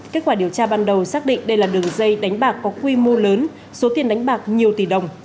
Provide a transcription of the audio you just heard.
kết quả điều tra ban đầu xác định đây là đường dây đánh bạc có quy mô lớn số tiền đánh bạc nhiều tỷ đồng